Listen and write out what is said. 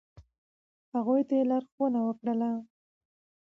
، هغوی ته یی لارښونه وکړه ل